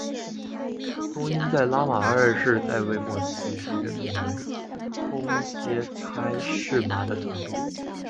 通因在拉玛二世在位末期被任命为那空叻差是玛的总督。